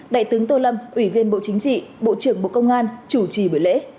đại tướng tô lâm ủy viên bộ chính trị bộ trưởng bộ công an chủ trì buổi lễ